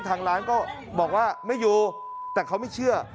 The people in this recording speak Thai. ทางร้านก็บอกว่าไม่อยู่แต่เขาไม่เชื่อ